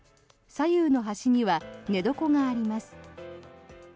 左右の端には寝床があります。